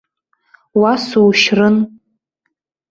Уа сушьрын!